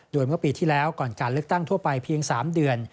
โดยเมื่อปีที่แล้วก่อนการเลือกตั้งทั่วไปเพียง๓เดือน